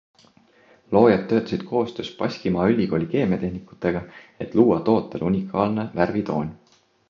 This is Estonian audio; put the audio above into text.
Loojad töötasid koostöös Baskimaa ülikooli keemiatehnikutega, et luua tootele unikaalne värvitoon.